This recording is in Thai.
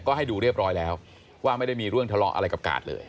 ก็ให้ดูเรียบร้อยแล้วว่าไม่ได้มีเรื่องทะเลาะอะไรกับกาดเลย